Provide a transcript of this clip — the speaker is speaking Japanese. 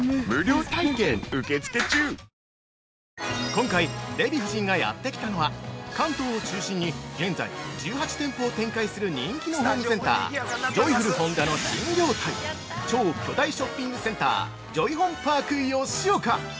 ◆今回、デヴィ夫人がやってきたのは関東を中心に現在１８店舗を展開する人気のホームセンタージョイフル本田の新業態超巨大ショッピングセンタージョイホンパーク吉岡。